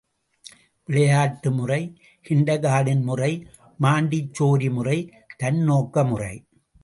விளையாட்டு முறை, kinder garden முறை, மாண்டிசோரி முறை, தன்னோக்க முறை.